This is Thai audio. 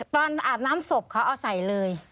อาบน้ำศพเขาเอาใส่เลย